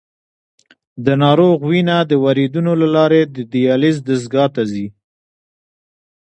د ناروغ وینه د وریدونو له لارې د دیالیز دستګاه ته ځي.